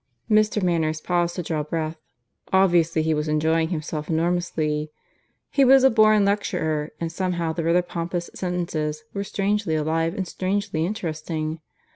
Mr. Manners paused to draw breath. Obviously he was enjoying himself enormously. He was a born lecturer, and somehow the rather pompous sentences were strangely alive and strangely interesting.